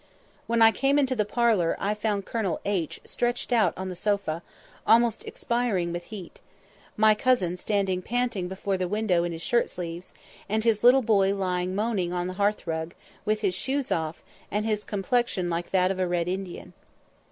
When I came into the parlour I found Colonel H stretched on the sofa, almost expiring with heat, my cousin standing panting before the window in his shirtsleeves, and his little boy lying moaning on the hearthrug, with his shoes off, and his complexion like that of a Red Indian.